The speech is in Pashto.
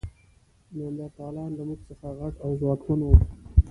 نیاندرتالان له موږ څخه غټ او ځواکمن وو.